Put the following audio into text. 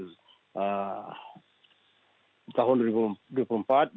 pemilihan presiden jokowi pada tahun dua ribu dua puluh empat